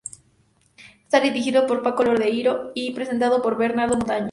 Está dirigido por Paco Lodeiro, y presentado por Bernardo Montaña.